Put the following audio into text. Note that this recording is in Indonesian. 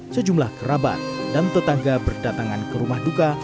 sejumlah kerabat dan tetangga berdatangan ke rumah duka